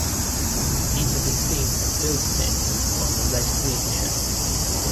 He can be seen as Bill Smith on "The Red Green Show".